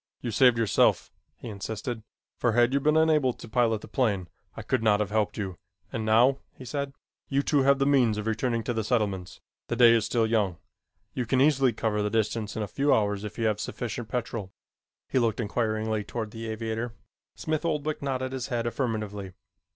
"You saved yourself," he insisted, "for had you been unable to pilot the plane, I could not have helped you, and now," he said, "you two have the means of returning to the settlements. The day is still young. You can easily cover the distance in a few hours if you have sufficient petrol." He looked inquiringly toward the aviator. Smith Oldwick nodded his head affirmatively.